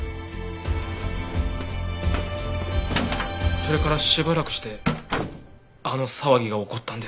それからしばらくしてあの騒ぎが起こったんです。